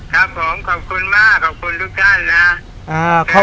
ครับผมขอบคุณมากขอบคุณทุกท่านนะครับ